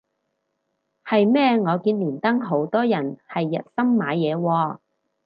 係咩我見連登好多人係日森買嘢喎